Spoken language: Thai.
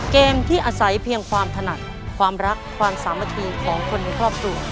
เกมที่อาศัยเพียงความถนัดความรักความสามัคคีของคนในครอบครัว